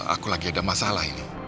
aku lagi ada masalah ini